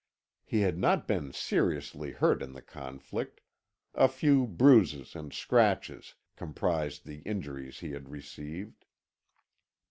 He had not been seriously hurt in the conflict; a few bruises and scratches comprised the injuries he had received.